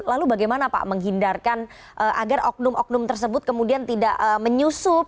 lalu bagaimana pak menghindarkan agar oknum oknum tersebut kemudian tidak menyusup